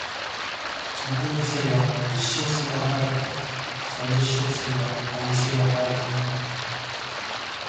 その合理性は実証性を離れてなく、その実証性は合理性を離れてない。